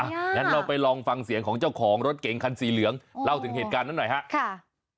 อ่ะหลังมาไปลองหาเสียงของเจ้าของรถเกงคันสีเหลืองเล่าถึงเหตุการณ์นี้หน่อยคะ